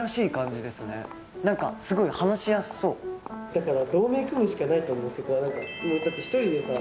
だから。